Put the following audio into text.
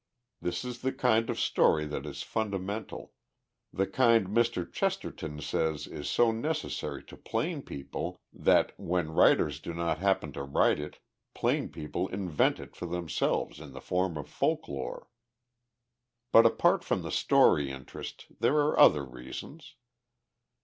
This is the kind of story that is fundamental—the kind Mr. Chesterton says is so necessary to plain people that, when writers do not happen to write it, plain people invent it for themselves in the form of folk lore. But apart from the story interest there are other reasons.